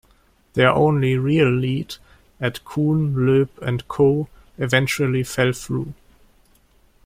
Their only real lead, at Kuhn, Loeb and Co., eventually fell through.